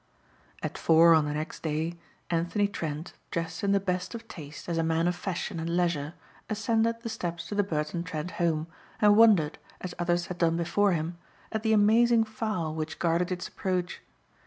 At four on the next day Anthony Trent, dressed in the best of taste as a man of fashion and leisure, ascended the steps to the Burton Trent home and wondered, as others had done before him, at the amazing fowl which guarded its approach.